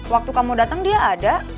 waktu kamu datang dia ada